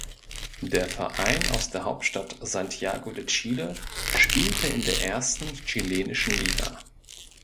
Der Verein aus der Hauptstadt Santiago de Chile spielte in der ersten chilenischen Liga.